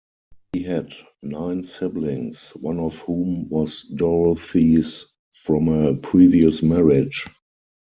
He had nine siblings, one of whom was Dorothy's from a previous marriage.